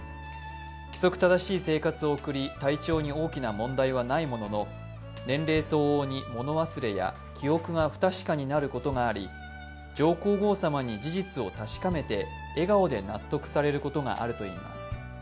規則正しい生活を送り、体調に大きな問題はないものの、年齢相応に物忘れや記憶が不確かになることがあり上皇后さまに事実を確かめて笑顔で納得されることがあるといいます。